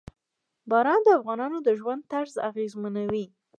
باران د افغانانو د ژوند طرز اغېزمنوي.